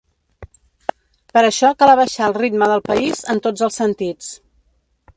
Per això cal abaixar el ritme del país en tots els sentits.